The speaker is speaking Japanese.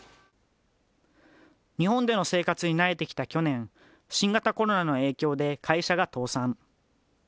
日本での生活に慣れてきた去年、新型コロナの影響で会社が倒産。